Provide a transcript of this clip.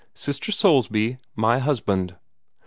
Sister Soulsby my husband."